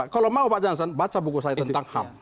kalau mau pak jansan baca buku saya tentang ham